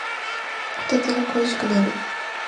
こたつが恋しくなる